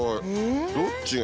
どっちが。